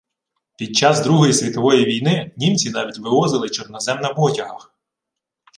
Під час Другої Світової війни, німці навіть вивозили чорнозем на потягах